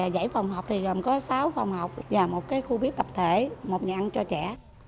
giải phòng học thì gồm có sáu phòng học và một khu bếp tập thể một nhà ăn cho trẻ